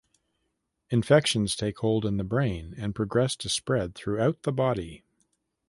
Infections take hold in the brain and progress to spread throughout the body.